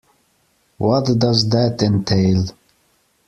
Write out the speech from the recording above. What does that entail?